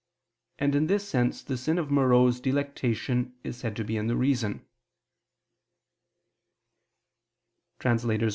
And in this sense the sin of morose delectation is said to be in the reason.